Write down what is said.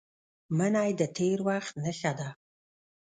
منی د تېر وخت نښه ده